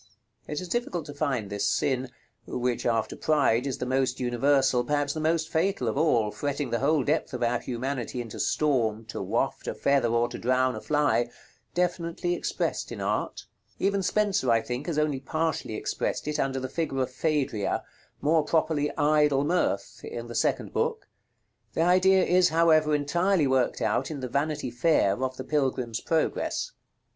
It is difficult to find this sin, which, after Pride, is the most universal, perhaps the most fatal, of all, fretting the whole depth of our humanity into storm "to waft a feather or to drown a fly," definitely expressed in art. Even Spenser, I think, has only partially expressed it under the figure of Phædria, more properly Idle Mirth, in the second book. The idea is, however, entirely worked out in the Vanity Fair of the "Pilgrim's Progress." § XCIII.